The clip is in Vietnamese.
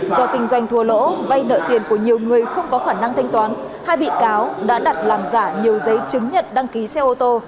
do kinh doanh thua lỗ vay nợ tiền của nhiều người không có khả năng thanh toán hai bị cáo đã đặt làm giả nhiều giấy chứng nhận đăng ký xe ô tô